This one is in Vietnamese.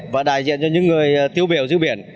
và đại diện cho những người tiêu biểu dưới biển